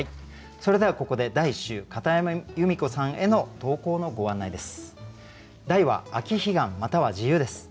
それではここで第１週片山由美子さんへの投稿のご案内です。